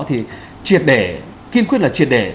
thì kiên quyết là triệt để